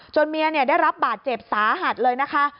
เมียได้รับบาดเจ็บสาหัสเลยนะคะ